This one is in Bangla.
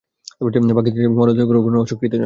পাকিস্তান সেনাবাহিনী মরদেহগুলো গ্রহণে অস্বীকৃতি জানায়।